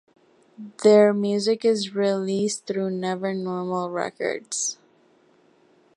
Their music is released through Never Normal Records.